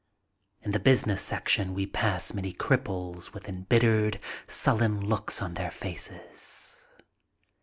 In the business section we pass many cripples with embit tered, sullen looks on their faces.